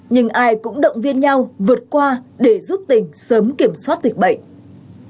nhưng ai cũng động viên nhau vượt qua để giúp tỉnh sớm kiểm soát dịch bệnh